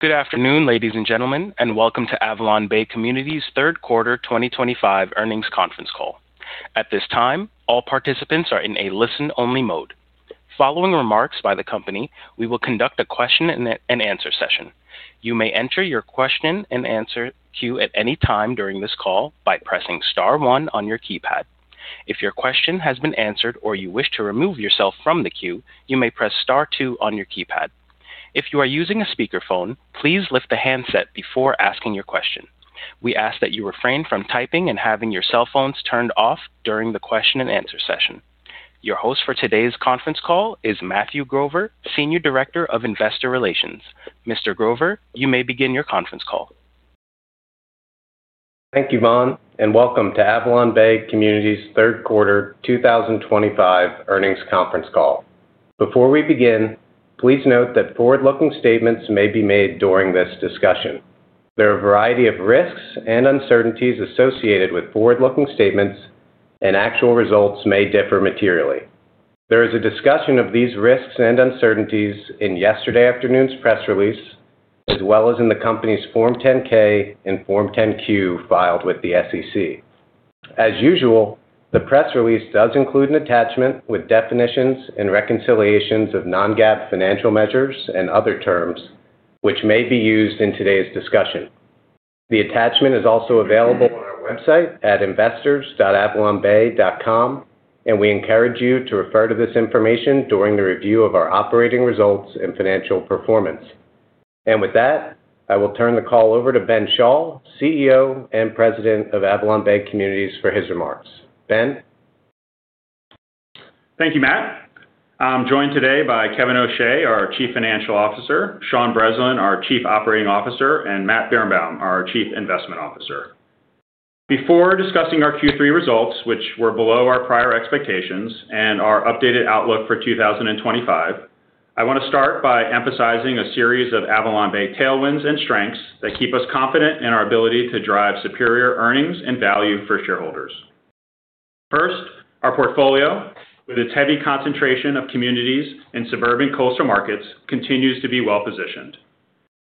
Good afternoon, ladies and gentlemen, and welcome to AvalonBay Communities' Third Quarter 2025 earnings conference call. At this time, all participants are in a listen-only mode. Following remarks by the company, we will conduct a question-and-answer session. You may enter your question-and-answer queue at any time during this call by pressing star one your keypad. If your question has been answered or you wish to remove yourself from the queue, you may press star two on your keypad. If you are using a speakerphone, please lift the handset before asking your question. We ask that you refrain from typing and have your cell phones turned off during the question-and-answer session. Your host for today's conference call is Matthew Grover, Senior Director of Investor Relations. Mr. Grover, you may begin your conference call. Thank you, Vaughn, and welcome to AvalonBay Communities' Third Quarter 2025 earnings conference call. Before we begin, please note that forward-looking statements may be made during this discussion. There are a variety of risks and uncertainties associated with forward-looking statements, and actual results may differ materially. There is a discussion of these risks and uncertainties in yesterday afternoon's press release, as well as in the company's Form 10-K and Form 10-Q filed with the SEC. As usual, the press release does include an attachment with definitions and reconciliations of non-GAAP financial measures and other terms, which may be used in today's discussion. The attachment is also available on our website at investors.avalonbay.com, and we encourage you to refer to this information during the review of our operating results and financial performance. With that, I will turn the call over to Benj Schall, CEO and President of AvalonBay Communities, for his remarks. Ben. Thank you, Matt. I'm joined today by Kevin O’Shea, our Chief Financial Officer, Sean Breslin, our Chief Operating Officer, and Matt Birenbaum, our Chief Investment Officer. Before discussing our Q3 results, which were below our prior expectations and our updated outlook for 2025, I want to start by emphasizing a series of AvalonBay tailwinds and strengths that keep us confident in our ability to drive superior earnings and value for shareholders. First, our portfolio, with its heavy concentration of communities in suburban coastal markets, continues to be well-positioned.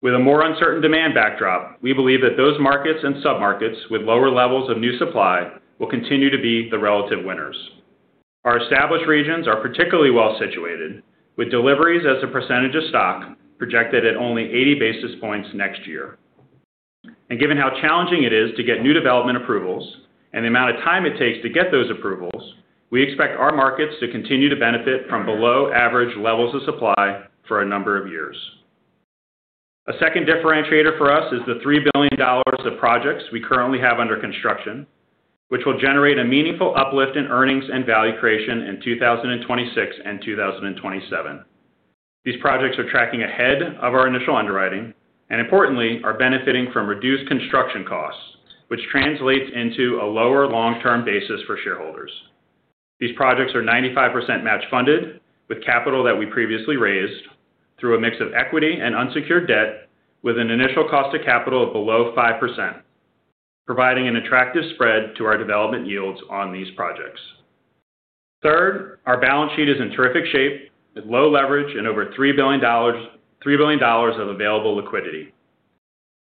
With a more uncertain demand backdrop, we believe that those markets and submarkets with lower levels of new supply will continue to be the relative winners. Our established regions are particularly well-situated, with deliveries as a percentage of stock projected at only 80 basis points next year. Given how challenging it is to get new development approvals and the amount of time it takes to get those approvals, we expect our markets to continue to benefit from below-average levels of supply for a number of years. A second differentiator for us is the $3 billion of projects we currently have under construction, which will generate a meaningful uplift in earnings and value creation in 2026 and 2027. These projects are tracking ahead of our initial underwriting and, importantly, are benefiting from reduced construction costs, which translates into a lower long-term basis for shareholders. These projects are 95% match-funded, with capital that we previously raised through a mix of equity and unsecured debt, with an initial cost of capital of below 5%, providing an attractive spread to our development yields on these projects. Third, our balance sheet is in terrific shape, with low leverage and over $3 billion of available liquidity.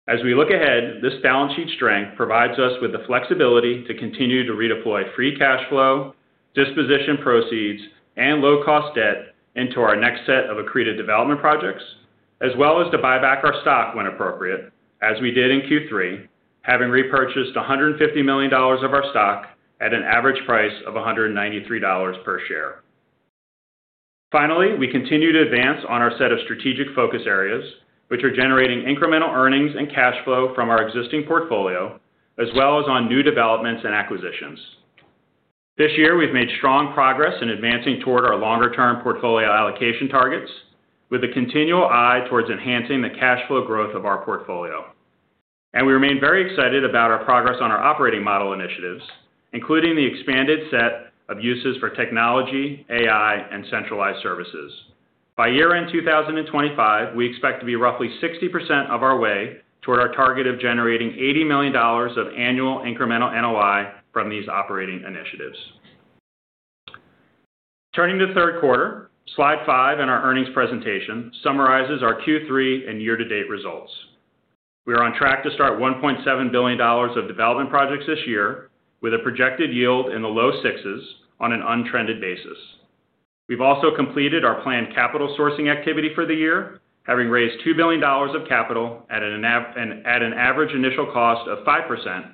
As we look ahead, this balance sheet strength provides us with the flexibility to continue to redeploy free cash flow, disposition proceeds, and low-cost debt into our next set of accretive development projects, as well as to buy back our stock when appropriate, as we did in Q3, having repurchased $150 million of our stock at an average price of $193 per share. Finally, we continue to advance on our set of strategic focus areas, which are generating incremental earnings and cash flow from our existing portfolio, as well as on new developments and acquisitions. This year, we've made strong progress in advancing toward our longer-term portfolio allocation targets, with a continual eye towards enhancing the cash flow growth of our portfolio. We remain very excited about our progress on our operating model initiatives, including the expanded set of uses for technology, AI, and centralized services. By year-end 2025, we expect to be roughly 60% of our way toward our target of generating $80 million of annual incremental NOI from these operating initiatives. Turning to third quarter, slide five in our earnings presentation summarizes our Q3 and year-to-date results. We are on track to start $1.7 billion of development projects this year, with a projected yield in the low six's on an untrended basis. We've also completed our planned capital sourcing activity for the year, having raised $2 billion of capital at an average initial cost of five percent,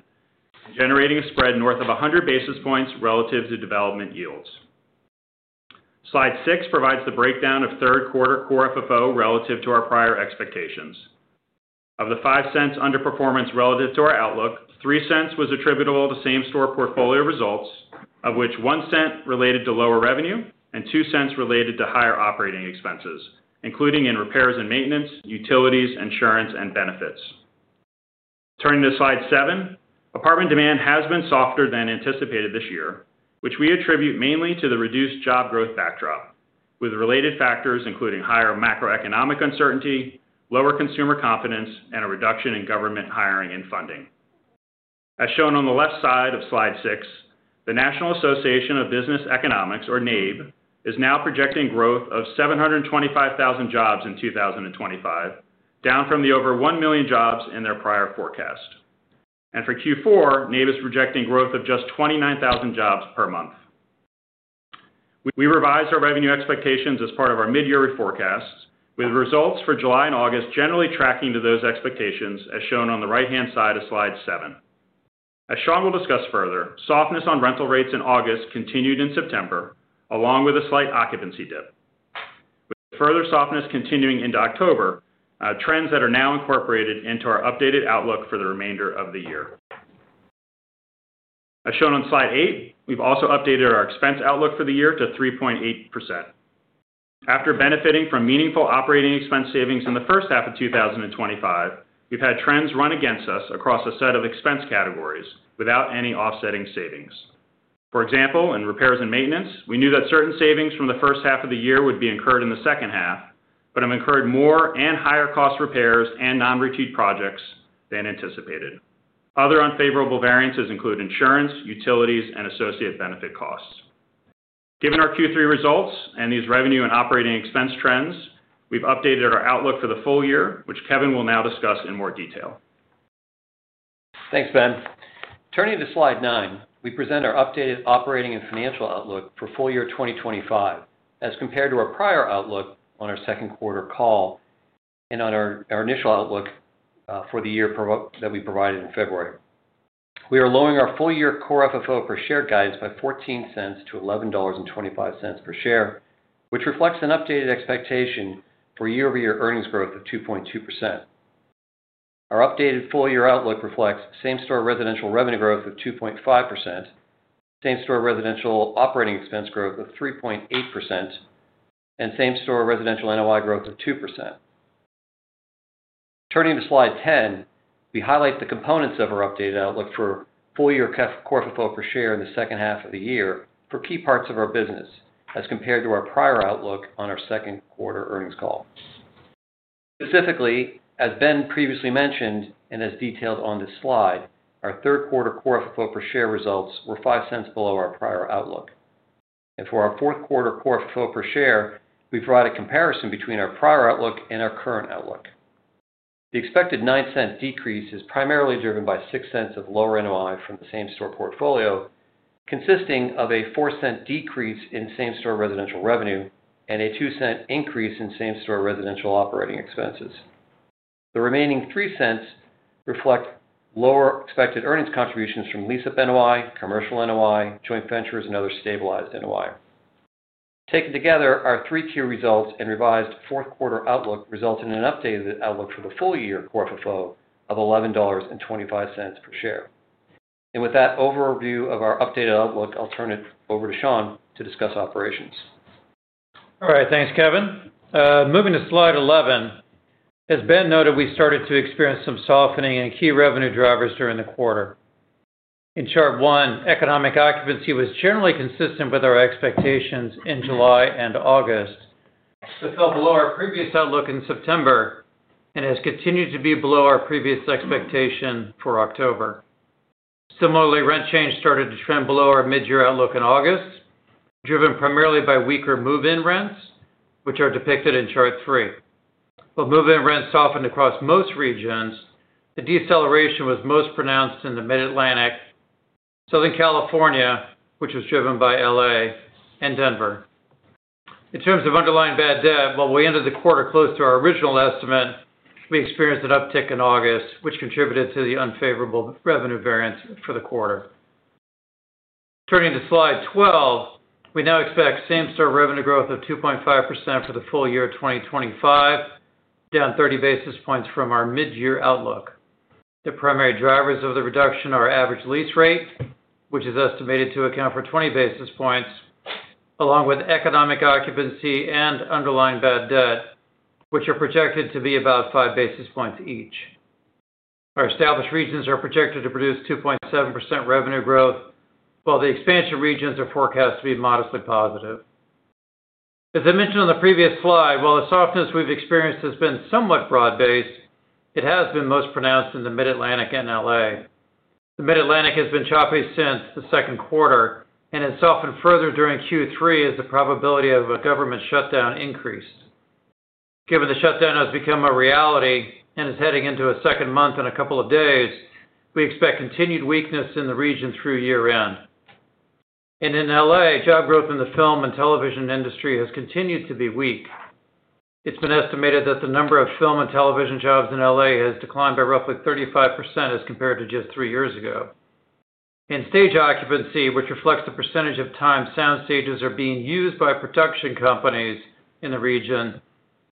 generating a spread north of 100 basis points relative to development yields. Slide 6 provides the breakdown of third quarter core FFO relative to our prior expectations. Of the $0.05 underperformance relative to our outlook, $0.03 was attributable to same-store portfolio results, of which $0.01 related to lower revenue and $0.02 related to higher operating expenses, including in repairs and maintenance, utilities, insurance, and benefits. Turning to slide seven, apartment demand has been softer than anticipated this year, which we attribute mainly to the reduced job growth backdrop, with related factors including higher macroeconomic uncertainty, lower consumer confidence, and a reduction in government hiring and funding. As shown on the left side of slide six, the National Association of Business Economics, or NABE, is now projecting growth of 725,000 jobs in 2025, down from the over 1 million jobs in their prior forecast. For Q4, NABE is projecting growth of just 29,000 jobs per month. We revised our revenue expectations as part of our mid-year forecasts, with results for July and August generally tracking to those expectations, as shown on the right-hand side of slide seven. As Sean will discuss further, softness on rental rates in August continued in September, along with a slight occupancy dip, with further softness continuing into October, trends that are now incorporated into our updated outlook for the remainder of the year. As shown on slide eight, we've also updated our expense outlook for the year to 3.8%. After benefiting from meaningful operating expense savings in the first half of 2025, we've had trends run against us across a set of expense categories without any offsetting savings. For example, in repairs and maintenance, we knew that certain savings from the first half of the year would be incurred in the second half, but have incurred more and higher-cost repairs and non-retrieved projects than anticipated. Other unfavorable variances include insurance, utilities, and associated benefit costs. Given our Q3 results and these revenue and operating expense trends, we've updated our outlook for the full year, which Kevin will now discuss in more detail. Thanks, Ben. Turning to slide nine, we present our updated operating and financial outlook for full year 2025, as compared to our prior outlook on our second quarter call and on our initial outlook for the year that we provided in February. We are lowering our full-year core FFO per share guidance by $0.14 to $11.25 per share, which reflects an updated expectation for year-over-year earnings growth of 2.2%. Our updated full-year outlook reflects same-store residential revenue growth of 2.5%, same-store residential operating expense growth of 3.8%, and same-store residential NOI growth of 2%. Turning to slide 10, we highlight the components of our updated outlook for full-year core FFO per share in the second half of the year for key parts of our business, as compared to our prior outlook on our second quarter earnings call. Specifically, as Ben previously mentioned and as detailed on this slide, our third-quarter core FFO per share results were $0.05 below our prior outlook. For our fourth-quarter core FFO per share, we provide a comparison between our prior outlook and our current outlook. The expected $0.09 decrease is primarily driven by $0.06 of lower NOI from the same-store portfolio, consisting of a $0.04 decrease in same-store residential revenue and a $0.02 increase in same-store residential operating expenses. The remaining $0.03 reflect lower expected earnings contributions from Lease-up NOI, Commercial NOI, joint ventures, and other stabilized NOI. Taken together, our three-tier results and revised fourth-quarter outlook result in an updated outlook for the full-year core FFO of $11.25 per share. With that overview of our updated outlook, I'll turn it over to Sean to discuss operations. All right, thanks, Kevin. Moving to slide 11. As Ben noted, we started to experience some softening in key revenue drivers during the quarter. In chart one, economic occupancy was generally consistent with our expectations in July and August. It fell below our previous outlook in September and has continued to be below our previous expectation for October. Similarly, rent change started to trend below our mid-year outlook in August, driven primarily by weaker move-in rents, which are depicted in chart three. While move-in rents softened across most regions, the deceleration was most pronounced in the Mid-Atlantic, Southern California, which was driven by LA, and Denver. In terms of underlying bad debt, while we ended the quarter close to our original estimate, we experienced an uptick in August, which contributed to the unfavorable revenue variance for the quarter. Turning to slide 12, we now expect same-store revenue growth of 2.5% for the full year of 2025, down 30 basis points from our mid-year outlook. The primary drivers of the reduction are average lease rate, which is estimated to account for 20 basis points, along with economic occupancy and underlying bad debt, which are projected to be about five basis points each. Our established regions are projected to produce 2.7% revenue growth, while the expansion regions are forecast to be modestly positive. As I mentioned on the previous slide, while the softness we've experienced has been somewhat broad-based, it has been most pronounced in the Mid-Atlantic and LA. The Mid-Atlantic has been choppy since the second quarter and has softened further during Q3 as the probability of a government shutdown increased. Given the shutdown has become a reality and is heading into a second month in a couple of days, we expect continued weakness in the region through year-end. In LA, job growth in the film and television industry has continued to be weak. It's been estimated that the number of film and television jobs in LA has declined by roughly 35% as compared to just three years ago. Stage occupancy, which reflects the percentage of time sound stages are being used by production companies in the region,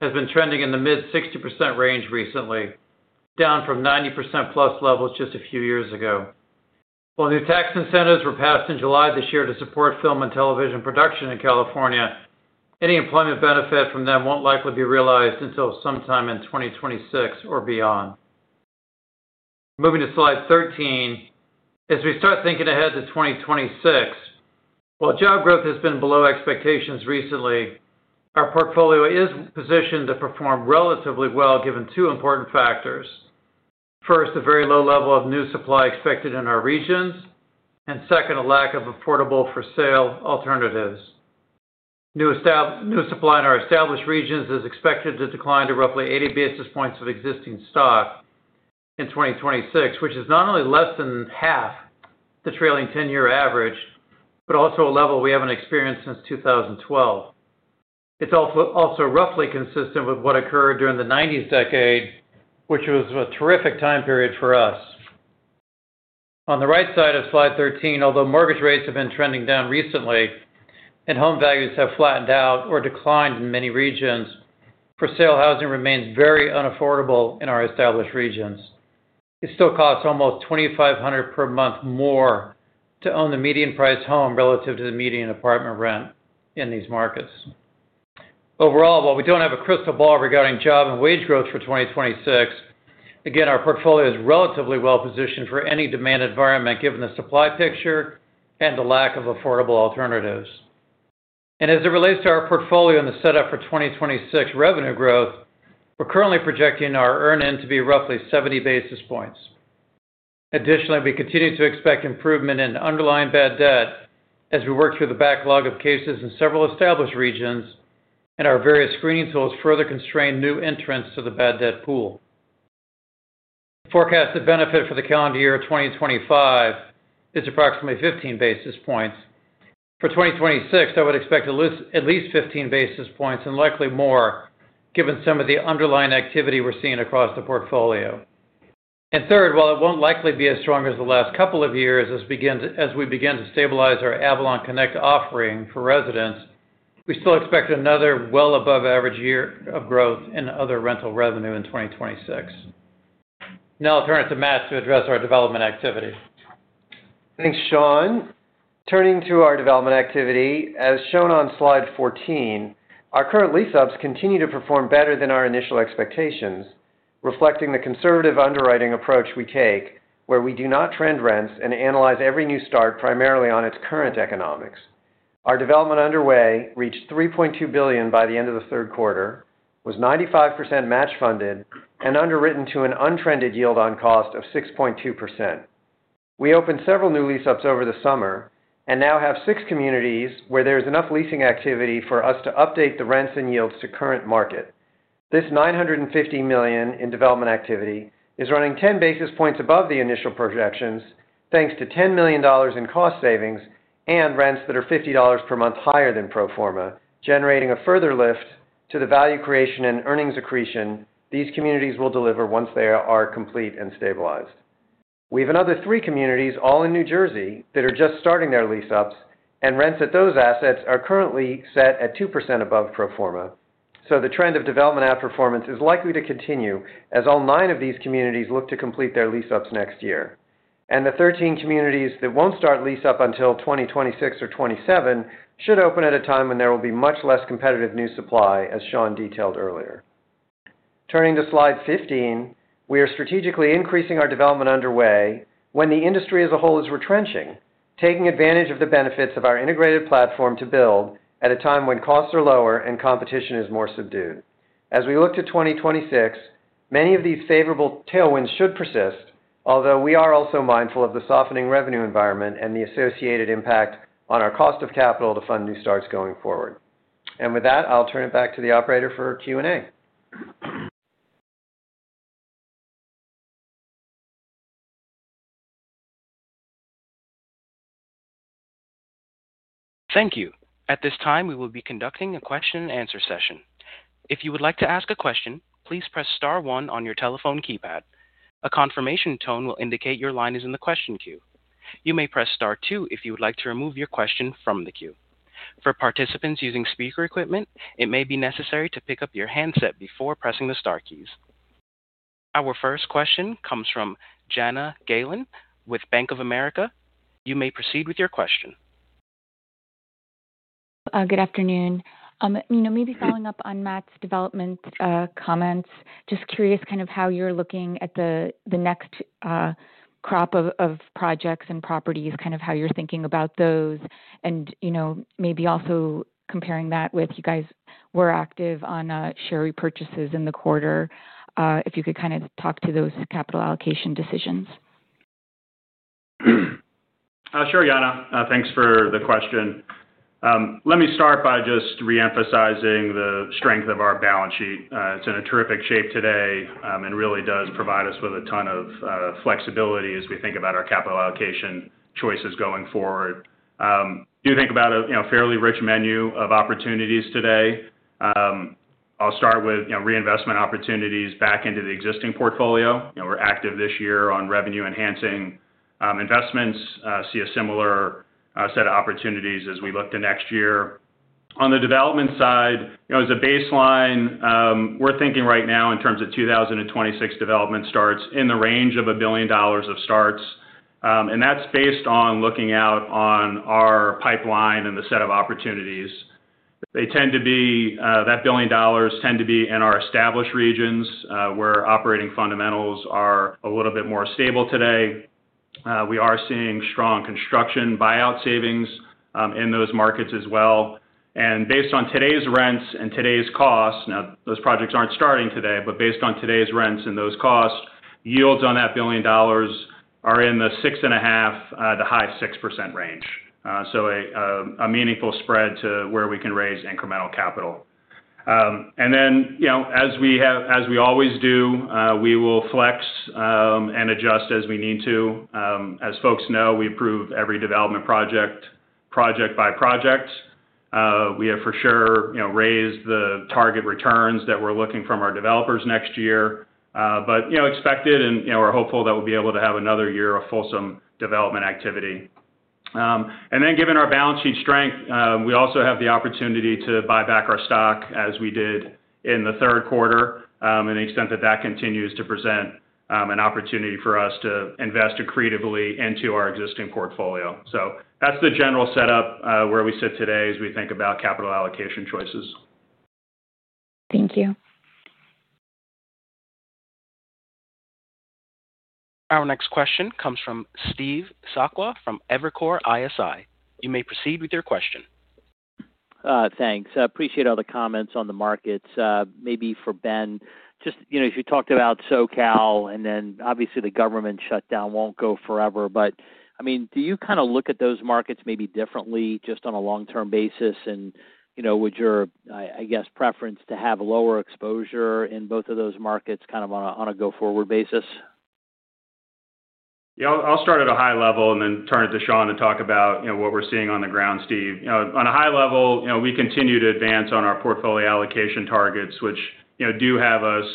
has been trending in the mid-60% range recently, down from 90% plus levels just a few years ago. While new tax incentives were passed in July this year to support film and television production in California, any employment benefit from them won't likely be realized until sometime in 2026 or beyond. Moving to slide 13. As we start thinking ahead to 2026, while job growth has been below expectations recently, our portfolio is positioned to perform relatively well given two important factors. First, a very low level of new supply expected in our regions, and second, a lack of affordable-for-sale alternatives. New supply in our established regions is expected to decline to roughly 80 basis points of existing stock in 2026, which is not only less than half the trailing 10-year average, but also a level we haven't experienced since 2012. It's also roughly consistent with what occurred during the 1990s decade, which was a terrific time period for us. On the right side of slide 13, although mortgage rates have been trending down recently and home values have flattened out or declined in many regions, for-sale housing remains very unaffordable in our established regions. It still costs almost $2,500 per month more to own the median-priced home relative to the median apartment rent in these markets. Overall, while we don't have a crystal ball regarding job and wage growth for 2026, our portfolio is relatively well-positioned for any demand environment given the supply picture and the lack of affordable alternatives. As it relates to our portfolio and the setup for 2026 revenue growth, we're currently projecting our earn-in to be roughly 70 basis points. Additionally, we continue to expect improvement in underlying bad debt as we work through the backlog of cases in several established regions, and our various screening tools further constrain new entrants to the bad debt pool. The forecasted benefit for the calendar year of 2025 is approximately 15 basis points. For 2026, I would expect at least 15 basis points and likely more, given some of the underlying activity we're seeing across the portfolio. Third, while it won't likely be as strong as the last couple of years as we begin to stabilize our AvalonConnect offering for residents, we still expect another well-above-average year of growth in other rental revenue in 2026. Now I'll turn it to Matt to address our development activity. Thanks, Sean. Turning to our development activity, as shown on slide 14, our current lease-ups continue to perform better than our initial expectations, reflecting the conservative underwriting approach we take, where we do not trend rents and analyze every new start primarily on its current economics. Our development underway reached $3.2 billion by the end of the third quarter, was 95% match-funded, and underwritten to an untrended yield on cost of 6.2%. We opened several new lease-ups over the summer and now have six communities where there is enough leasing activity for us to update the rents and yields to current market. This $950 million in development activity is running 10 basis points above the initial projections, thanks to $10 million in cost savings and rents that are $50 per month higher than pro forma, generating a further lift to the value creation and earnings accretion these communities will deliver once they are complete and stabilized. We have another three communities, all in New Jersey, that are just starting their lease-ups, and rents at those assets are currently set at 2% above pro forma. The trend of development outperformance is likely to continue as all nine of these communities look to complete their lease-ups next year. The 13 communities that won't start lease-up until 2026 or 2027 should open at a time when there will be much less competitive new supply, as Sean detailed earlier. Turning to slide 15, we are strategically increasing our development underway when the industry as a whole is retrenching, taking advantage of the benefits of our integrated platform to build at a time when costs are lower and competition is more subdued. As we look to 2026, many of these favorable tailwinds should persist, although we are also mindful of the softening revenue environment and the associated impact on our cost of capital to fund new starts going forward. With that, I'll turn it back to the operator for Q&A. Thank you. At this time, we will be conducting a question-and-answer session. If you would like to ask a question, please press star one on your telephone keypad. A confirmation tone will indicate your line is in the question queue. You may press star two if you would like to remove your question from the queue. For participants using speaker equipment, it may be necessary to pick up your handset before pressing the star keys. Our first question comes from Jana Galen with Bank of America. You may proceed with your question. Good afternoon. Maybe following up on Matt's development comments, just curious kind of how you're looking at the next crop of projects and properties, kind of how you're thinking about those, and maybe also comparing that with you guys were active on share repurchases in the quarter. If you could kind of talk to those capital allocation decisions. Sure, Jana. Thanks for the question. Let me start by just re-emphasizing the strength of our balance sheet. It's in terrific shape today and really does provide us with a ton of flexibility as we think about our capital allocation choices going forward. You think about a fairly rich menu of opportunities today. I'll start with reinvestment opportunities back into the existing portfolio. We're active this year on revenue-enhancing investments. See a similar set of opportunities as we look to next year. On the development side, as a baseline, we're thinking right now in terms of 2026 development starts in the range of $1 billion of starts. That's based on looking out on our pipeline and the set of opportunities. They tend to be that $1 billion tend to be in our established regions where operating fundamentals are a little bit more stable today. We are seeing strong construction buyout savings in those markets as well. Based on today's rents and today's costs, now those projects aren't starting today, but based on today's rents and those costs, yields on that $1 billion are in the 6.5% to high 6% range. A meaningful spread to where we can raise incremental capital. As we always do, we will flex and adjust as we need to. As folks know, we approve every development project by project. We have for sure raised the target returns that we're looking from our developers next year. Expected and we're hopeful that we'll be able to have another year of fulsome development activity. Given our balance sheet strength, we also have the opportunity to buy back our stock as we did in the third quarter in the extent that that continues to present an opportunity for us to invest accretively into our existing portfolio. That's the general setup where we sit today as we think about capital allocation choices. Thank you. Our next question comes from Steve Sakwa from Evercore ISI. You may proceed with your question. Thanks. I appreciate all the comments on the markets. Maybe for Ben, just as you talked about SoCal and then obviously the government shutdown won't go forever, do you kind of look at those markets maybe differently just on a long-term basis? Would your preference be to have lower exposure in both of those markets on a go-forward basis? Yeah, I'll start at a high level and then turn it to Sean to talk about what we're seeing on the ground, Steve. At a high level, we continue to advance on our portfolio allocation targets, which do have us,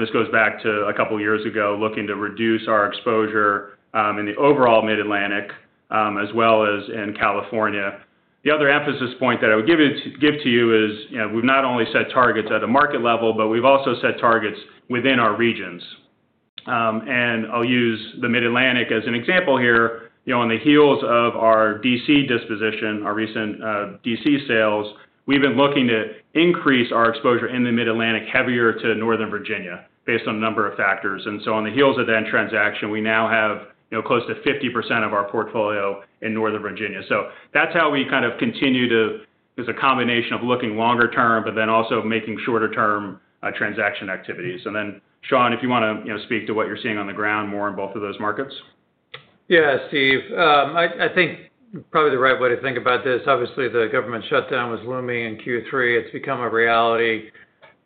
this goes back to a couple of years ago, looking to reduce our exposure in the overall Mid-Atlantic as well as in California. The other emphasis point that I would give to you is we've not only set targets at a market level, but we've also set targets within our regions. I'll use the Mid-Atlantic as an example here. On the heels of our D.C. disposition, our recent D.C. sales, we've been looking to increase our exposure in the Mid-Atlantic heavier to Northern Virginia based on a number of factors. On the heels of that transaction, we now have close to 50% of our portfolio in Northern Virginia. That's how we kind of continue to, it's a combination of looking longer term, but then also making shorter-term transaction activities. Sean, if you want to speak to what you're seeing on the ground more in both of those markets. Yeah, Steve, I think probably the right way to think about this, obviously the government shutdown was looming in Q3. It's become a reality.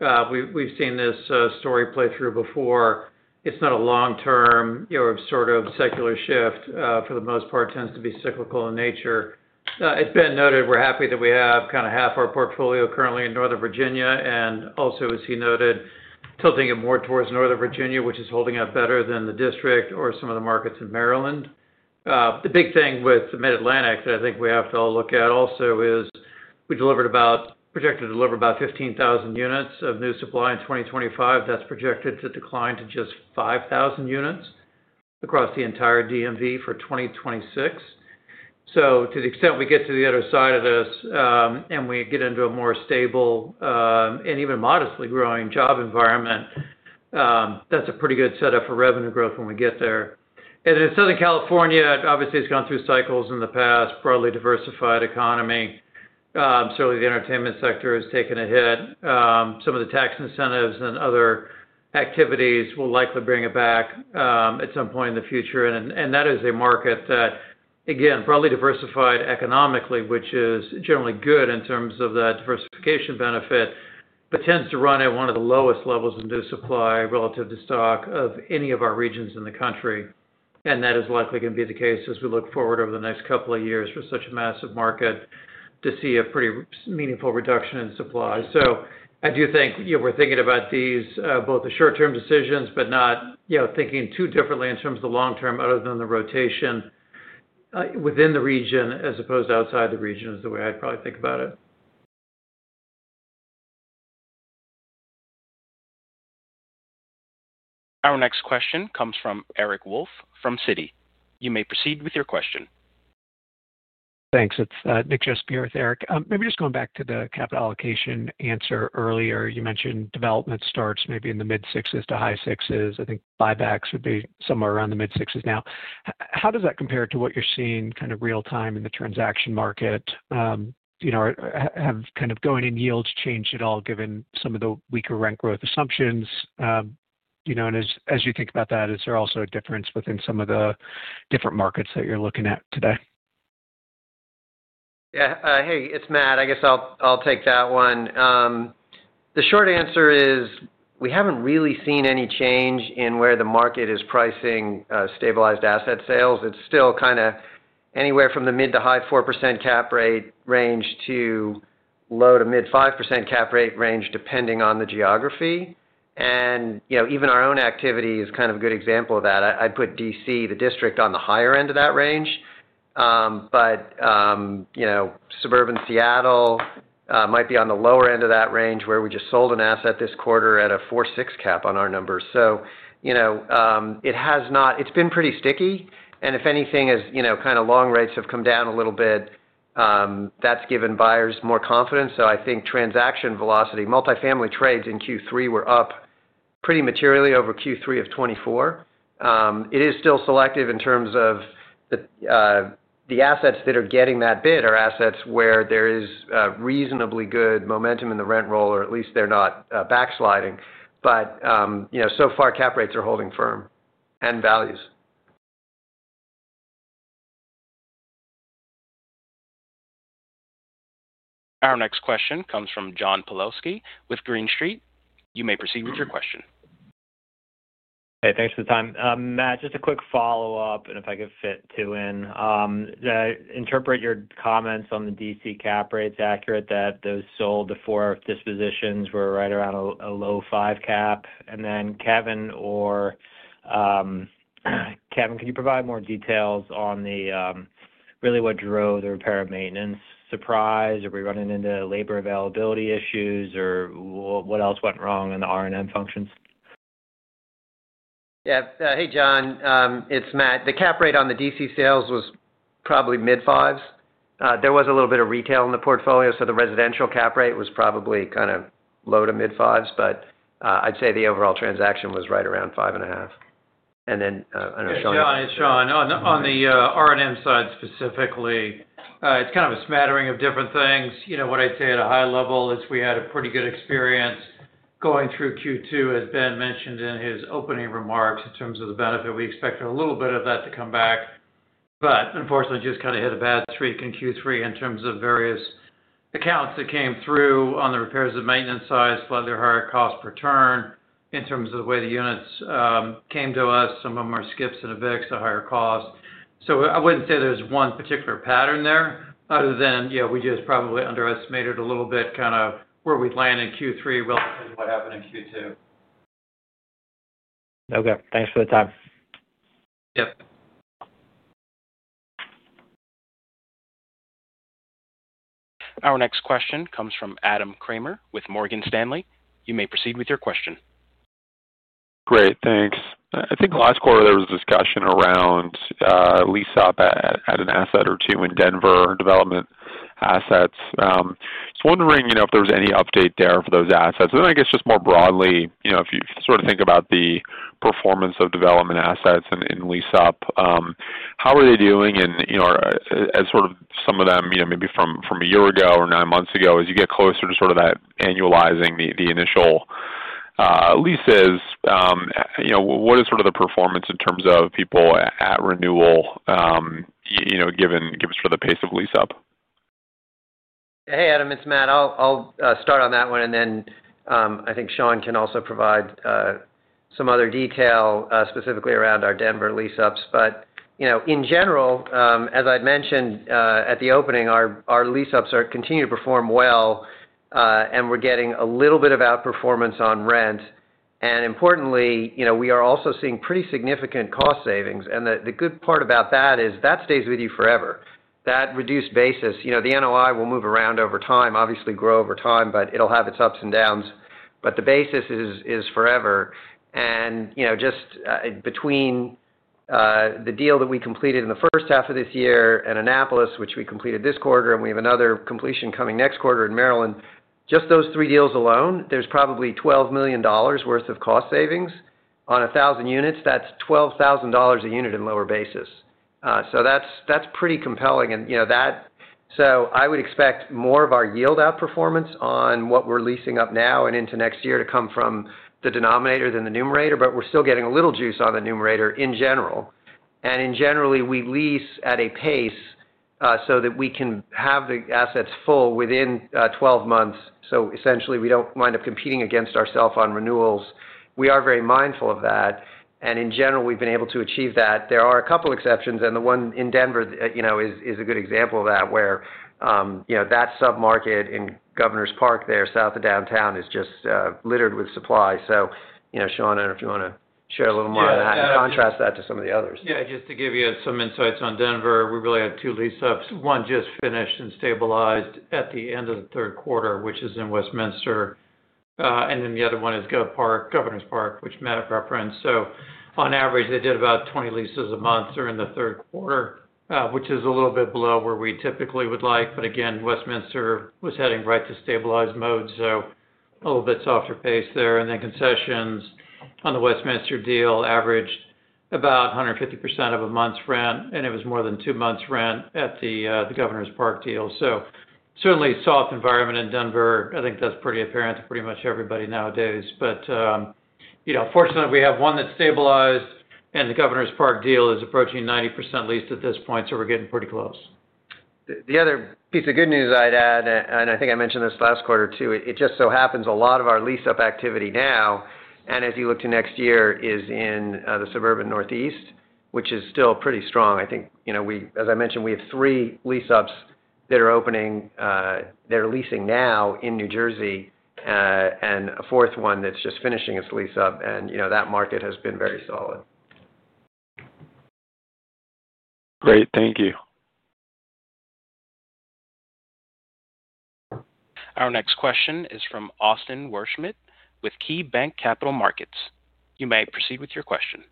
We've seen this story play through before. It's not a long-term sort of secular shift. For the most part, it tends to be cyclical in nature. As Ben noted, we're happy that we have kind of half our portfolio currently in Northern Virginia. As he noted, tilting it more towards Northern Virginia, which is holding up better than the district or some of the markets in Maryland. The big thing with the Mid-Atlantic that I think we have to all look at also is we delivered about, projected to deliver about 15,000 units of new supply in 2025. That's projected to decline to just 5,000 units across the entire DMV for 2026. To the extent we get to the other side of this and we get into a more stable and even modestly growing job environment, that's a pretty good setup for revenue growth when we get there. In Southern California, obviously it's gone through cycles in the past, broadly diversified economy. Certainly, the entertainment sector has taken a hit. Some of the tax incentives and other activities will likely bring it back at some point in the future. That is a market that, again, broadly diversified economically, which is generally good in terms of that diversification benefit, but tends to run at one of the lowest levels in new supply relative to stock of any of our regions in the country. That is likely going to be the case as we look forward over the next couple of years for such a massive market to see a pretty meaningful reduction in supply. I do think we're thinking about these both the short-term decisions, but not thinking too differently in terms of the long-term other than the rotation. Within the region as opposed to outside the region is the way I'd probably think about it. Our next question comes from Eric Wolf from Citi. You may proceed with your question. Thanks. It's Nick Joseph with Eric. Maybe just going back to the capital allocation answer earlier, you mentioned development starts maybe in the mid-sixes to high sixes. I think buybacks would be somewhere around the mid-sixes now. How does that compare to what you're seeing kind of real-time in the transaction market? Have going in yields changed at all given some of the weaker rent growth assumptions? As you think about that, is there also a difference within some of the different markets that you're looking at today? Yeah. Hey, it's Matt. I guess I'll take that one. The short answer is we haven't really seen any change in where the market is pricing stabilized asset sales. It's still kind of anywhere from the mid to high 4% cap rate range to low to mid 5% cap rate range depending on the geography. Even our own activity is kind of a good example of that. I'd put D.C., the district, on the higher end of that range. Suburban Seattle might be on the lower end of that range where we just sold an asset this quarter at a 4.6% cap on our numbers. It has not, it's been pretty sticky. If anything, as kind of long rates have come down a little bit, that's given buyers more confidence. I think transaction velocity, multifamily trades in Q3 were up pretty materially over Q3 of 2024. It is still selective in terms of the assets that are getting that bid, assets where there is reasonably good momentum in the rent roll, or at least they're not backsliding. So far, cap rates are holding firm and values. Our next question comes from John Pawlowski with Green Street. You may proceed with your question. Hey, thanks for the time. Matt, just a quick follow-up, and if I could fit two in. Interpret your comments on the D.C. cap rates accurate that those sold before dispositions were right around a low five cap. Kevin, can you provide more details on really what drove the repair and maintenance surprise? Are we running into labor availability issues, or what else went wrong in the R&M functions? Yeah. Hey, John. It's Matt. The cap rate on the D.C. sales was probably mid fives. There was a little bit of retail in the portfolio, so the residential cap rate was probably kind of low to mid fives, but I'd say the overall transaction was right around 5.5%. I don't know, Sean. Yeah, Sean, on the R&M side specifically, it's kind of a smattering of different things. What I'd say at a high level is we had a pretty good experience going through Q2, as Ben mentioned in his opening remarks in terms of the benefit. We expected a little bit of that to come back. Unfortunately, just kind of hit a bad streak in Q3 in terms of various accounts that came through on the repairs and maintenance side, slightly higher cost per turn in terms of the way the units came to us, some of them are skips and evicts, a higher cost. I wouldn't say there's one particular pattern there other than we just probably underestimated a little bit kind of where we'd land in Q3 relative to what happened in Q2. Okay, thanks for the time. Yep. Our next question comes from Adam Kramer with Morgan Stanley. You may proceed with your question. Great. Thanks. I think last quarter there was a discussion around lease-up at an asset or two in Denver, development assets. I was wondering if there was any update there for those assets. I guess just more broadly, if you sort of think about the performance of development assets and lease-up, how are they doing? As sort of some of them maybe from a year ago or nine months ago, as you get closer to sort of that annualizing the initial leases, what is sort of the performance in terms of people at renewal, given sort of the pace of lease-up? Hey, Adam, it's Matt. I'll start on that one. I think Sean can also provide some other detail specifically around our Denver lease-ups. In general, as I'd mentioned at the opening, our lease-ups continue to perform well. We're getting a little bit of outperformance on rent. Importantly, we are also seeing pretty significant cost savings. The good part about that is that stays with you forever. That reduced basis, the NOI will move around over time, obviously grow over time, but it'll have its ups and downs. The basis is forever. Just between the deal that we completed in the first half of this year and Annapolis, which we completed this quarter, and we have another completion coming next quarter in Maryland, just those three deals alone, there's probably $12 million worth of cost savings. On 1,000 units, that's $12,000 a unit in lower basis. That's pretty compelling. I would expect more of our yield outperformance on what we're leasing up now and into next year to come from the denominator than the numerator, but we're still getting a little juice on the numerator in general. Generally, we lease at a pace so that we can have the assets full within 12 months. Essentially, we don't wind up competing against ourself on renewals. We are very mindful of that. In general, we've been able to achieve that. There are a couple of exceptions, and the one in Denver is a good example of that where that submarket in Governor's Park there south of downtown is just littered with supply. Sean, I don't know if you want to share a little more on that and contrast that to some of the others. Yeah, just to give you some insights on Denver, we really had two lease-ups. One just finished and stabilized at the end of the third quarter, which is in Westminster. The other one is Governor's Park, which Matt referenced. On average, they did about 20 leases a month during the third quarter, which is a little bit below where we typically would like. Westminster was heading right to stabilized mode, so a little bit softer pace there. Concessions on the Westminster deal averaged about 150% of a month's rent, and it was more than two months' rent at the Governor's Park deal. Certainly a soft environment in Denver. I think that's pretty apparent to pretty much everybody nowadays. Fortunately, we have one that's stabilized, and the Governor's Park deal is approaching 90% leased at this point, so we're getting pretty close. The other piece of good news I'd add, and I think I mentioned this last quarter too, it just so happens a lot of our lease-up activity now, and as you look to next year, is in the suburban Northeast, which is still pretty strong. I think, as I mentioned, we have three lease-ups that are opening. They're leasing now in New Jersey, and a fourth one that's just finishing its lease-up. That market has been very solid. Great. Thank you. Our next question is from Austin Wurschmidt with KeyBanc Capital Markets. You may proceed with your question.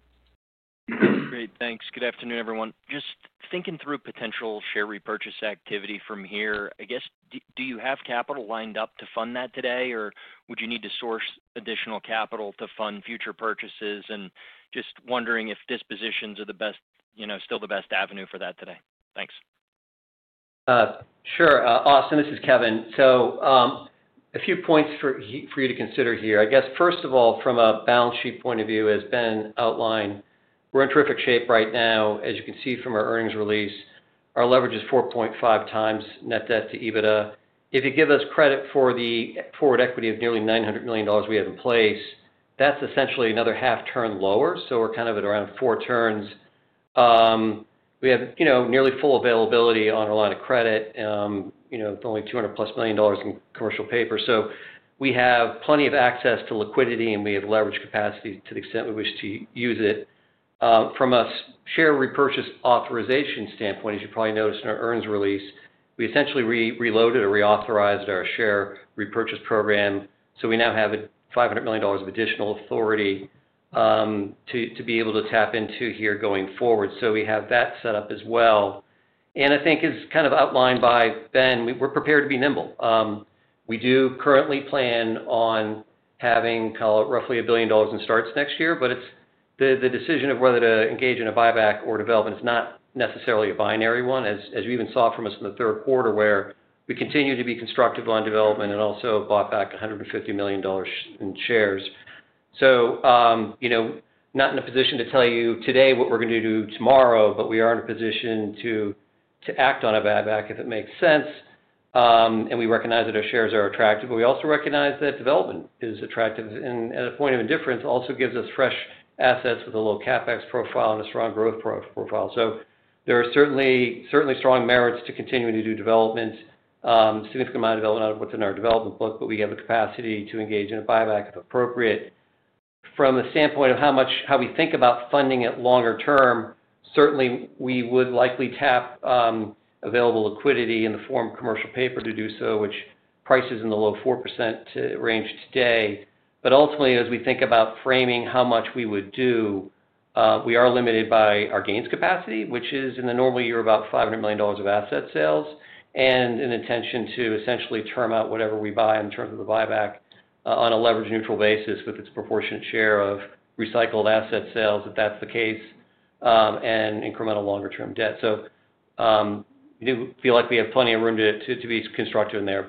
Great. Thanks. Good afternoon, everyone. Just thinking through potential share repurchase activity from here, do you have capital lined up to fund that today, or would you need to source additional capital to fund future purchases? I'm just wondering if dispositions are still the best avenue for that today. Thanks. Sure. Austin, this is Kevin. A few points for you to consider here. First of all, from a balance sheet point of view, as Ben outlined, we're in terrific shape right now. As you can see from our earnings release, our leverage is 4.5x net debt to EBITDA. If you give us credit for the forward equity of nearly $900 million we have in place, that's essentially another half turn lower. We're kind of at around four turns. We have nearly full availability on a lot of credit. It's only $200 million+ in commercial paper. We have plenty of access to liquidity, and we have leverage capacity to the extent we wish to use it. From a share repurchase authorization standpoint, as you probably noticed in our earnings release, we essentially reloaded or reauthorized our share repurchase program. We now have $500 million of additional authority to be able to tap into here going forward. We have that set up as well. I think as kind of outlined by Ben, we're prepared to be nimble. We do currently plan on having roughly $1 billion in starts next year, but the decision of whether to engage in a buyback or development is not necessarily a binary one, as you even saw from us in the third quarter where we continue to be constructive on development and also bought back $150 million in shares. Not in a position to tell you today what we're going to do tomorrow, but we are in a position to act on a buyback if it makes sense. We recognize that our shares are attractive, but we also recognize that development is attractive. At a point of indifference, it also gives us fresh assets with a low CapEx profile and a strong growth profile. There are certainly strong merits to continuing to do development, a significant amount of development out of what's in our development book, but we have the capacity to engage in a buyback if appropriate. From the standpoint of how we think about funding it longer term, certainly we would likely tap available liquidity in the form of commercial paper to do so, which prices in the low 4% range today. Ultimately, as we think about framing how much we would do, we are limited by our gains capacity, which is in the normal year about $500 million of asset sales and an intention to essentially term out whatever we buy in terms of the buyback on a leverage-neutral basis with its proportionate share of recycled asset sales if that's the case, and incremental longer-term debt. We do feel like we have plenty of room to be constructive in there.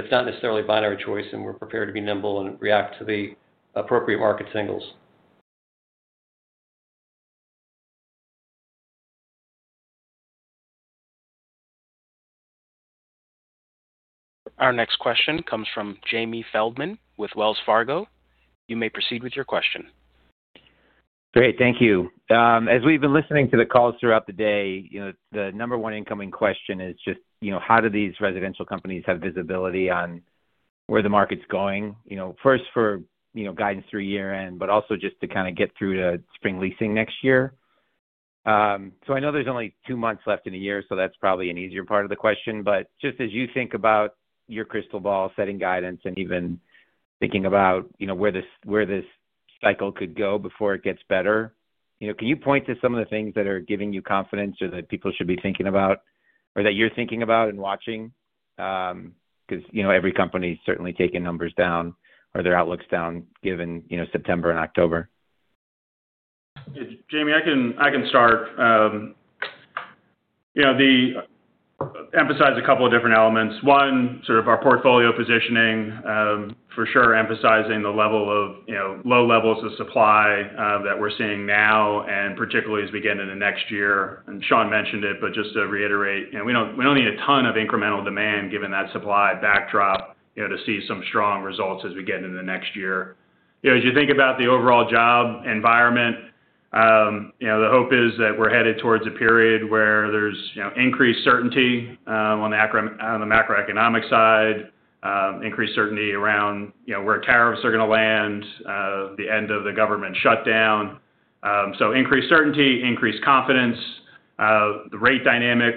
It's not necessarily a binary choice, and we're prepared to be nimble and react to the appropriate market signals. Our next question comes from Jamie Feldman with Wells Fargo. You may proceed with your question. Great. Thank you. As we've been listening to the calls throughout the day, the number one incoming question is just how do these residential companies have visibility on where the market's going? First, for guidance through year-end, but also just to kind of get through to spring leasing next year. I know there's only two months left in a year, so that's probably an easier part of the question. As you think about your crystal ball, setting guidance, and even thinking about where this cycle could go before it gets better, can you point to some of the things that are giving you confidence or that people should be thinking about or that you're thinking about and watching? Every company is certainly taking numbers down or their outlooks down given September and October. Jamie, I can start. Emphasize a couple of different elements. One, sort of our portfolio positioning, for sure, emphasizing the low levels of supply that we're seeing now, and particularly as we get into next year. Sean mentioned it, but just to reiterate, we don't need a ton of incremental demand given that supply backdrop to see some strong results as we get into the next year. As you think about the overall job environment, the hope is that we're headed towards a period where there's increased certainty on the macroeconomic side, increased certainty around where tariffs are going to land, the end of the government shutdown. Increased certainty, increased confidence. The rate dynamic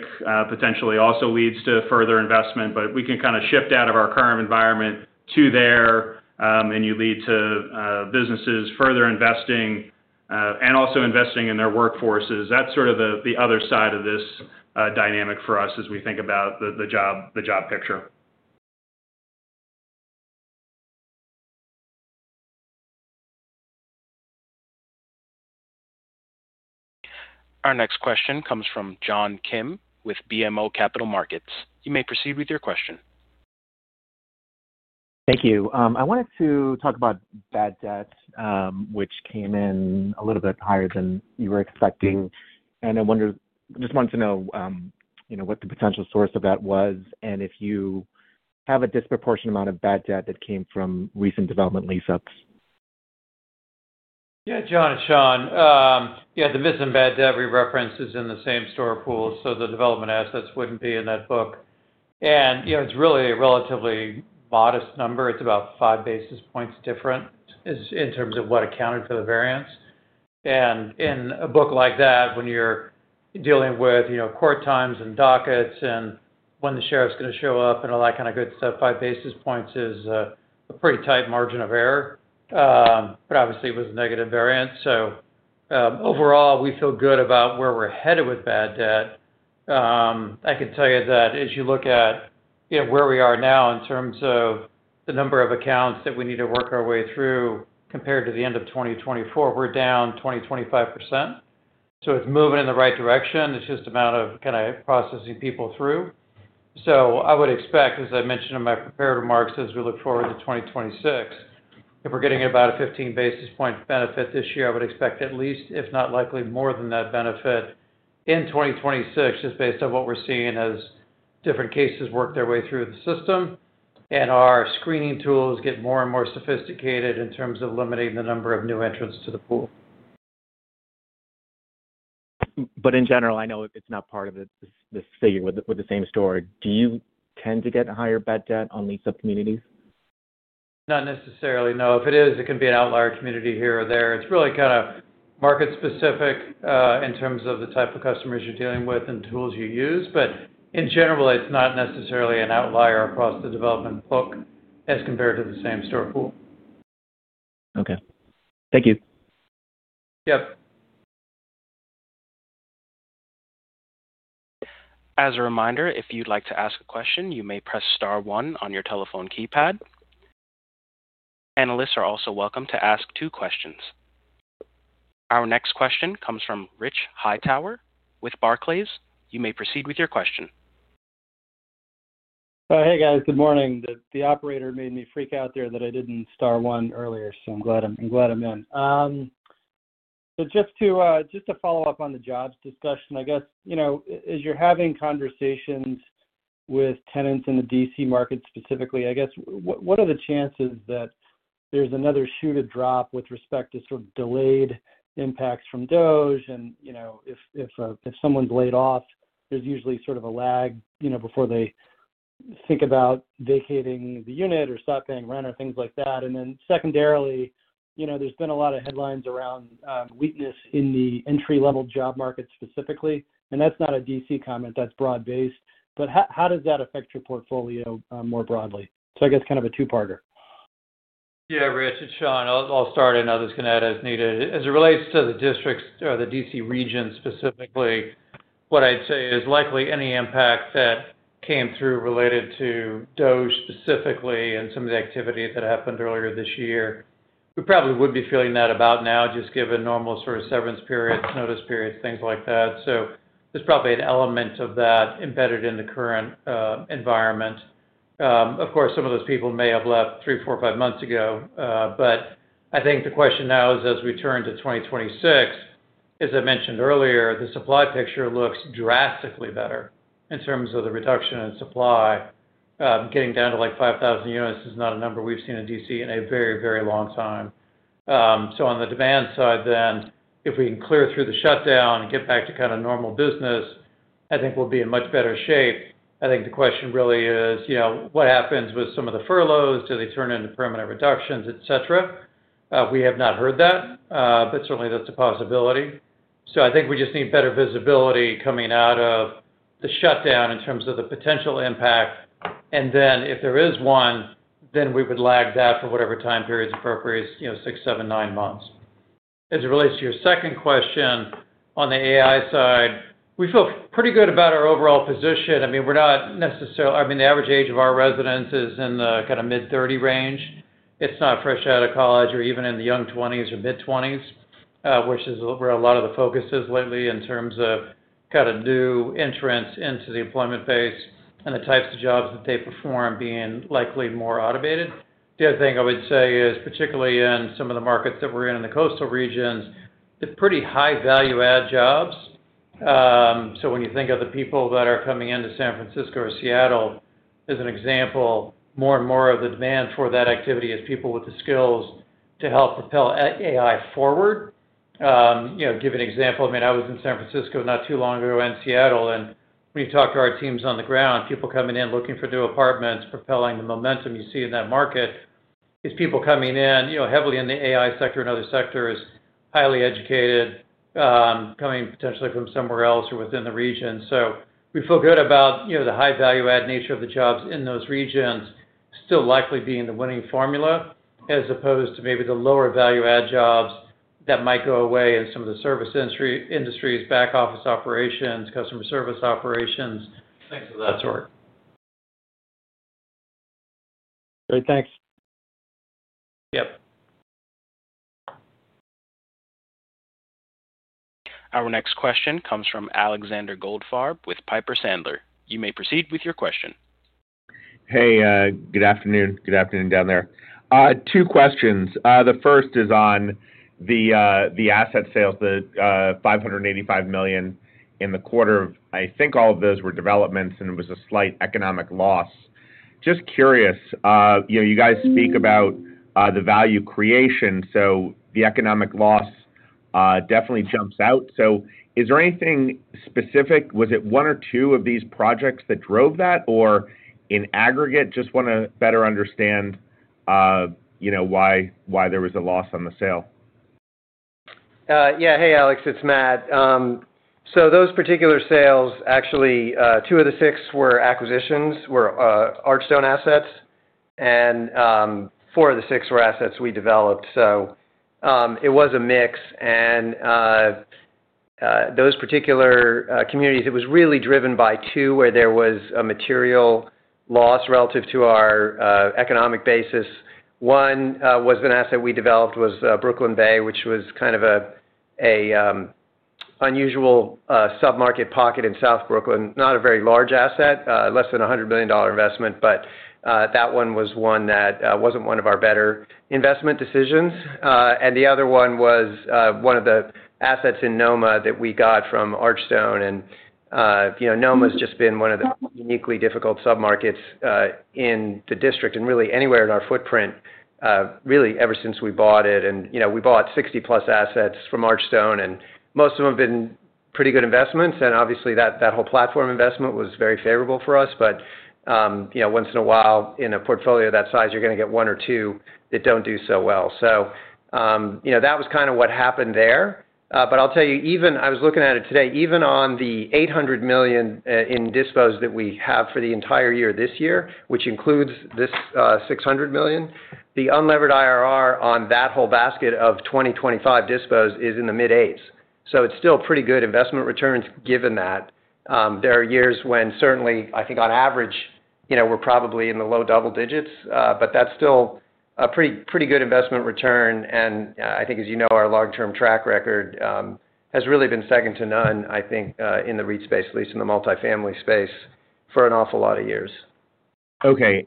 potentially also leads to further investment, but we can kind of shift out of our current environment to there, and you lead to businesses further investing and also investing in their workforces. That's sort of the other side of this dynamic for us as we think about the job picture. Our next question comes from John Kim with BMO Capital Markets. You may proceed with your question. Thank you. I wanted to talk about bad debt, which came in a little bit higher than you were expecting. I just wanted to know what the potential source of that was and if you have a disproportionate amount of bad debt that came from recent development lease-ups. Yeah, John it's Sean. The missing bad debt we referenced is in the same store pool, so the development assets wouldn't be in that book. It's really a relatively modest number. It's about five basis points different in terms of what accounted for the variance. In a book like that, when you're dealing with court times and dockets and when the sheriff's going to show up and all that kind of good stuff, five basis points is a pretty tight margin of error. Obviously, it was a negative variant. Overall, we feel good about where we're headed with bad debt. I can tell you that as you look at where we are now in terms of the number of accounts that we need to work our way through compared to the end of 2024, we're down 20%, 25%. It's moving in the right direction. It's just a matter of kind of processing people through. I would expect, as I mentioned in my prepared remarks, as we look forward to 2026, if we're getting about a 15 basis point benefit this year, I would expect at least, if not likely more than that benefit in 2026, just based on what we're seeing as different cases work their way through the system and our screening tools get more and more sophisticated in terms of limiting the number of new entrants to the pool. In general, I know it's not part of this figure with the same story. Do you tend to get higher bad debt on lease-up communities? Not necessarily, no. If it is, it can be an outlier community here or there. It is really kind of market-specific in terms of the type of customers you're dealing with and tools you use. In general, it's not necessarily an outlier across the development book as compared to the same store pool. Okay, thank you. Yep. As a reminder, if you'd like to ask a question, you may press star one on your telephone keypad. Analysts are also welcome to ask two questions. Our next question comes from Rich Hightower with Barclays. You may proceed with your question. Hey, guys. Good morning. The operator made me freak out there that I didn't star one earlier, so I'm glad I'm in. Just to follow up on the jobs discussion, as you're having conversations with tenants in the D.C. market specifically, what are the chances that there's another shoe to drop with respect to sort of delayed impacts from layoffs? If someone's laid off, there's usually a lag before they think about vacating the unit or stop paying rent or things like that. Secondarily, there's been a lot of headlines around weakness in the entry-level job market specifically. That's not a D.C. comment. That's broad-based. How does that affect your portfolio more broadly? I guess it's kind of a two-parter. Yeah, Rich it's Sean, I'll start, and others can add as needed. As it relates to the D.C. region specifically, what I'd say is likely any impact that came through related to DOGE specifically and some of the activity that happened earlier this year. We probably would be feeling that about now, just given normal sort of severance periods, notice periods, things like that. There's probably an element of that embedded in the current environment. Of course, some of those people may have left three, four, or five months ago. I think the question now is, as we turn to 2026, as I mentioned earlier, the supply picture looks drastically better in terms of the reduction in supply. Getting down to like 5,000 units is not a number we've seen in D.C. in a very, very long time. On the demand side, if we can clear through the shutdown and get back to kind of normal business, I think we'll be in much better shape. The question really is, what happens with some of the furloughs? Do they turn into permanent reductions, etc.? We have not heard that, but certainly that's a possibility. We just need better visibility coming out of the shutdown in terms of the potential impact. If there is one, then we would lag that for whatever time period is appropriate, six, seven, nine months. As it relates to your second question on the AI side, we feel pretty good about our overall position. We're not necessarily—the average age of our residents is in the kind of mid-30 range. It's not fresh out of college or even in the young 20s or mid-20s, which is where a lot of the focus is lately in terms of kind of new entrants into the employment base and the types of jobs that they perform being likely more automated. The other thing I would say is, particularly in some of the markets that we're in in the coastal regions, the pretty high-value-add jobs. When you think of the people that are coming into San Francisco or Seattle, as an example, more and more of the demand for that activity is people with the skills to help propel AI forward. To give an example, I was in San Francisco not too long ago in Seattle, and when you talk to our teams on the ground, people coming in looking for new apartments, propelling the momentum you see in that market is people coming in heavily in the AI sector and other sectors, highly educated. Coming potentially from somewhere else or within the region. We feel good about the high-value-add nature of the jobs in those regions still likely being the winning formula as opposed to maybe the lower-value-add jobs that might go away in some of the service industries, back office operations, customer service operations, things of that sort. Great. Thanks. Yep. Our next question comes from Alexander Goldfarb with Piper Sandler. You may proceed with your question. Hey, good afternoon. Good afternoon down there. Two questions. The first is on the asset sales, the $585 million in the quarter. I think all of those were developments, and it was a slight economic loss. Just curious, you guys speak about the value creation, so the economic loss definitely jumps out. Is there anything specific? Was it one or two of these projects that drove that, or in aggregate, just want to better understand why there was a loss on the sale? Yeah. Hey, Alex, it's Matt. Those particular sales, actually, two of the six were acquisitions, were Hearthstone assets. Four of the six were assets we developed. It was a mix. Those particular communities, it was really driven by two where there was a material loss relative to our economic basis. One was an asset we developed, was Brooklyn Bay, which was kind of an unusual sub-market pocket in South Brooklyn, not a very large asset, less than a $100 million investment, but that one was one that wasn't one of our better investment decisions. The other one was one of the assets in NoMa that we got from Archstone. NoMa has just been one of the uniquely difficult sub-markets in the district and really anywhere in our footprint, really, ever since we bought it. We bought 60+ assets from Archstone, and most of them have been pretty good investments. Obviously, that whole platform investment was very favorable for us. Once in a while, in a portfolio that size, you're going to get one or two that don't do so well. That was kind of what happened there. I'll tell you, even I was looking at it today, even on the $800 million in dispos that we have for the entire year this year, which includes this $600 million, the unlevered IRR on that whole basket of 2025 dispos is in the mid-8%. It's still pretty good investment returns given that. There are years when certainly, I think on average, we're probably in the low double digits, but that's still a pretty good investment return. I think, as you know, our long-term track record has really been second to none, I think, in the REIT space, at least in the multifamily space, for an awful lot of years. Okay.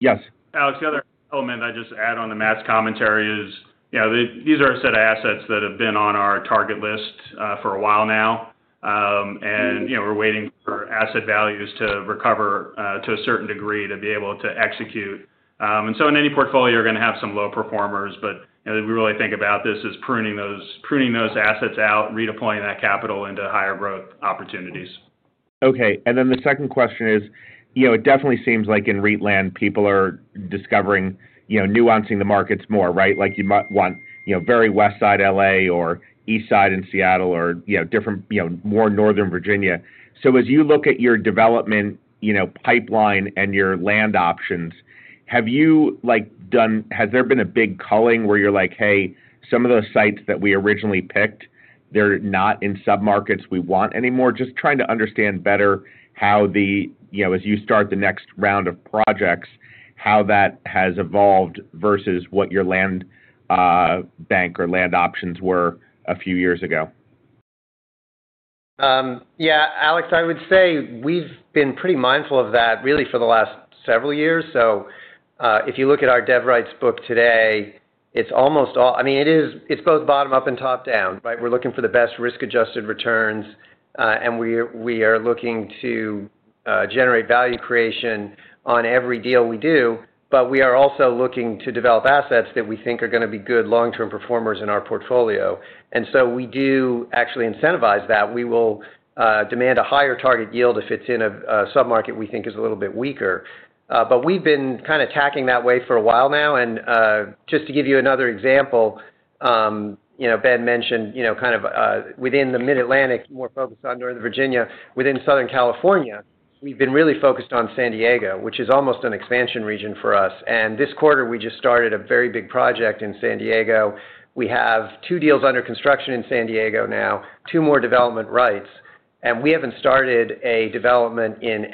Yes. Alex, the other element I just add on to Matt's commentary is these are a set of assets that have been on our target list for a while now. We're waiting for asset values to recover to a certain degree to be able to execute. In any portfolio, you're going to have some low performers, but we really think about this as pruning those assets out, redeploying that capital into higher growth opportunities. Okay. The second question is, it definitely seems like in REIT land, people are discovering, nuancing the markets more, right? Like you might want very west side LA or east side in Seattle or different, more Northern Virginia. As you look at your development pipeline and your land options, have you done, has there been a big culling where you're like, "Hey, some of those sites that we originally picked, they're not in sub-markets we want anymore"? Just trying to understand better how the, as you start the next round of projects, how that has evolved versus what your land bank or land options were a few years ago. Yeah. Alex, I would say we've been pretty mindful of that really for the last several years. If you look at our development rights book today, it's almost all—it's both bottom-up and top-down, right? We're looking for the best risk-adjusted returns, and we are looking to generate value creation on every deal we do, but we are also looking to develop assets that we think are going to be good long-term performers in our portfolio. We do actually incentivize that. We will demand a higher target yield if it's in a sub-market we think is a little bit weaker. We've been kind of tacking that way for a while now. To give you another example, Ben mentioned within the Mid-Atlantic, more focused on Northern Virginia. Within Southern California, we've been really focused on San Diego, which is almost an expansion region for us. This quarter, we just started a very big project in San Diego. We have two deals under construction in San Diego now, two more development rights. We haven't started a development in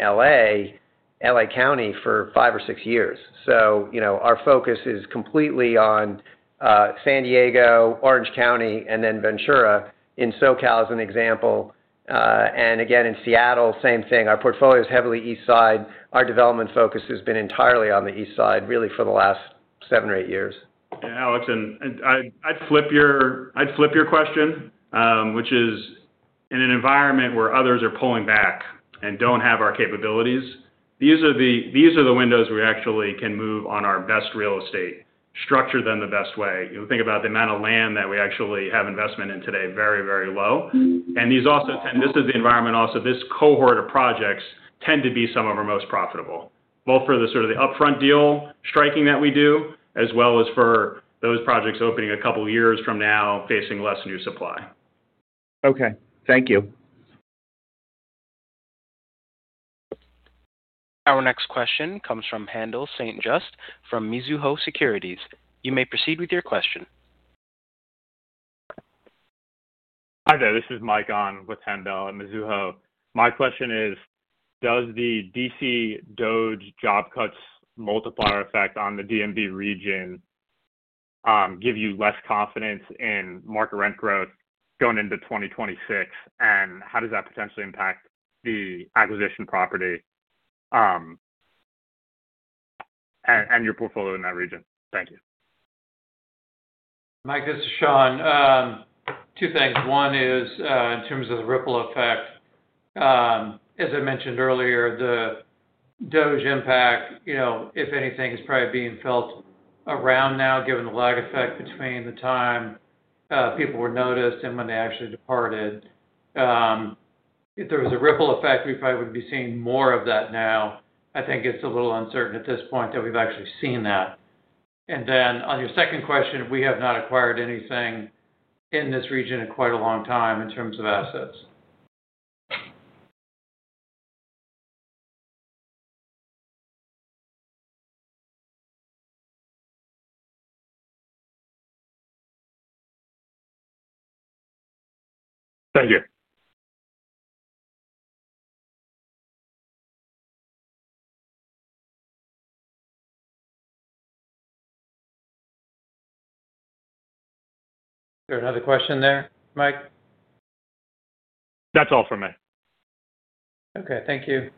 LA County for five or six years. Our focus is completely on San Diego, Orange County, and then Ventura in Southern California as an example. In Seattle, same thing. Our portfolio is heavily east side. Our development focus has been entirely on the east side really for the last seven or eight years. Alex, I'd flip your question, which is, in an environment where others are pulling back and don't have our capabilities, these are the windows we actually can move on our best real estate, structure them the best way. Think about the amount of land that we actually have investment in today, very, very low. These also tend—this is the environment also. This cohort of projects tend to be some of our most profitable, both for the sort of the upfront deal striking that we do, as well as for those projects opening a couple of years from now, facing less new supply. Okay, thank you. Our next question comes from Handel St. Juste from Mizuho Securities. You may proceed with your question. Hi there. This is Mike on with Handel at Mizuho. My question is, does the D.C. DOGE job cuts multiplier effect on the DMV region give you less confidence in market rent growth going into 2026? How does that potentially impact the acquisition property and your portfolio in that region? Thank you. Mike, this is Sean. Two things. One is in terms of the ripple effect. As I mentioned earlier, the DOGE impact, if anything, is probably being felt around now, given the lag effect between the time people were noticed and when they actually departed. If there was a ripple effect, we probably would be seeing more of that now. I think it's a little uncertain at this point that we've actually seen that. On your second question, we have not acquired anything in this region in quite a long time in terms of assets. Thank you. Is there another question there, Mike? That's all from me. Okay, thank you.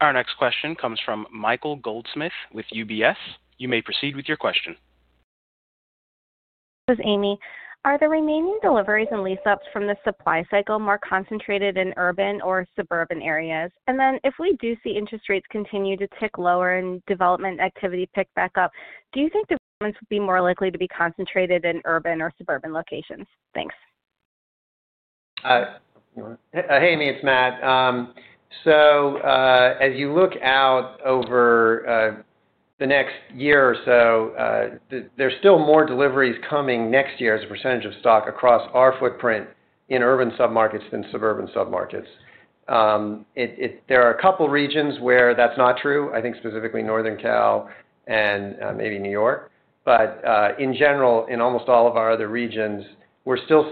Our next question comes from Michael Goldsmith with UBS. You may proceed with your question. This is Amy. Are the remaining deliveries and lease-ups from the supply cycle more concentrated in urban or suburban areas? If we do see interest rates continue to tick lower and development activity pick back up, do you think developments would be more likely to be concentrated in urban or suburban locations? Thanks. Hey, Amy. It's Matt. As you look out over the next year or so, there's still more deliveries coming next year as a percentage of stock across our footprint in urban sub-markets than suburban sub-markets. There are a couple of regions where that's not true. I think specifically Northern Cal and maybe New York. In general, in almost all of our other regions, we still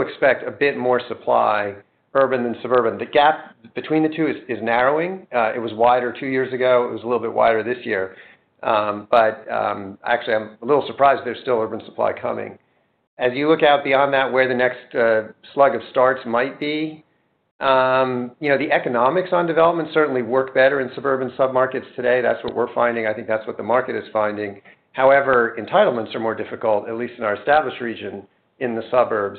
expect a bit more supply, urban than suburban. The gap between the two is narrowing. It was wider two years ago. It was a little bit wider this year. Actually, I'm a little surprised there's still urban supply coming. As you look out beyond that, where the next slug of starts might be, the economics on development certainly work better in suburban sub-markets today. That's what we're finding. I think that's what the market is finding. However, entitlements are more difficult, at least in our established region, in the suburbs.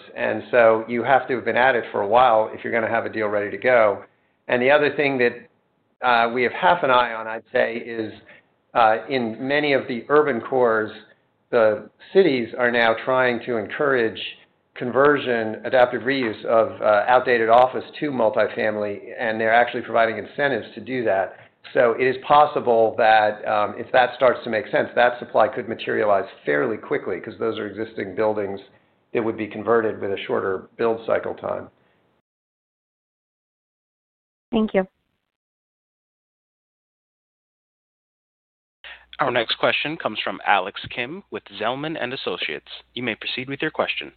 You have to have been at it for a while if you're going to have a deal ready to go. The other thing that we have half an eye on, I'd say, is in many of the urban cores, the cities are now trying to encourage conversion, adaptive reuse of outdated office to multifamily, and they're actually providing incentives to do that. It is possible that if that starts to make sense, that supply could materialize fairly quickly because those are existing buildings that would be converted with a shorter build cycle time. Thank you. Our next question comes from Alex Kim with Zellman & Associates. You may proceed with your question.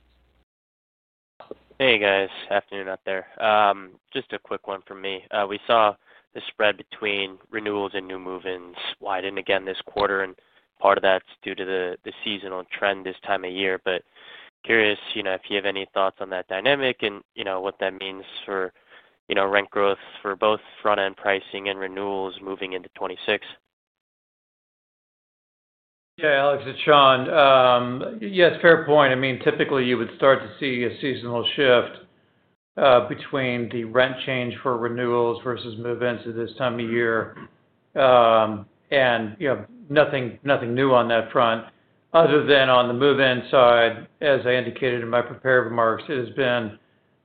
Hey, guys. Afternoon out there. Just a quick one for me. We saw the spread between renewals and new move-ins widen again this quarter, and part of that's due to the seasonal trend this time of year. Curious if you have any thoughts on that dynamic and what that means for rent growth for both front-end pricing and renewals moving into 2026. Yeah, Alex, it's Sean. Yes, fair point. I mean, typically, you would start to see a seasonal shift between the rent change for renewals versus move-ins at this time of year. Nothing new on that front, other than on the move-in side, as I indicated in my prepared remarks, it has been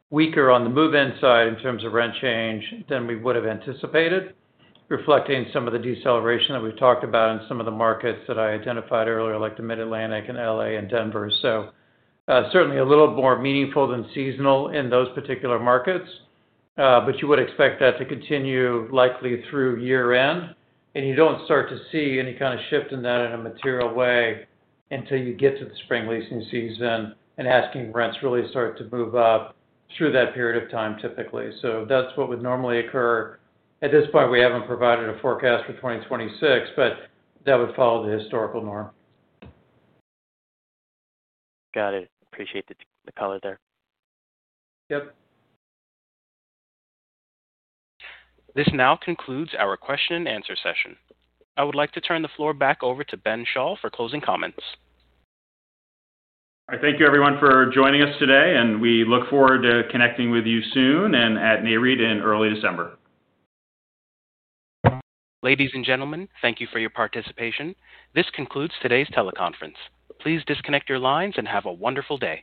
weaker on the move-in side in terms of rent change than we would have anticipated, reflecting some of the deceleration that we've talked about in some of the markets that I identified earlier, like the Mid-Atlantic, Los Angeles, and Denver. Certainly a little more meaningful than seasonal in those particular markets. You would expect that to continue likely through year-end. You don't start to see any kind of shift in that in a material way until you get to the spring leasing season and asking rents really start to move up through that period of time, typically. That's what would normally occur. At this point, we haven't provided a forecast for 2026, but that would follow the historical norm. Got it. Appreciate the color there. Yep. This now concludes our question-and-answer session. I would like to turn the floor back over to Ben Schall for closing comments. All right. Thank you, everyone, for joining us today. We look forward to connecting with you soon and at Nareit in early December. Ladies and gentlemen, thank you for your participation. This concludes today's teleconference. Please disconnect your lines and have a wonderful day.